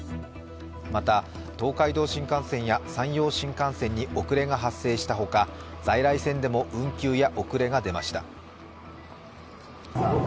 また、東海道新幹線や山陽新幹線に遅れが発生したほか在来線でも運休や遅れが出ました。